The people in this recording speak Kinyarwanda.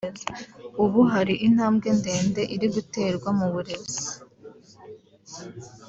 ubu hari intambwe ndende iri guterwa mu burezi